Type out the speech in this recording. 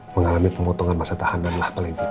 mengalami pemotongan masa tahanan lah paling tidak